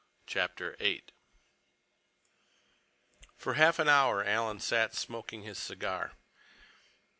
CHAPTER VIII For half an hour Alan sat smoking his cigar.